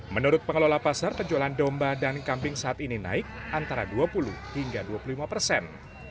menurut pengelola pasar penjualan domba dan kambing saat ini naik antara dua puluh hingga dua puluh lima persen